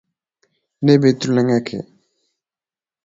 N bɛ tulonko kɛ.